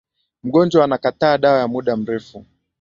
mgonjwa anakataa dawa ya muda mrefu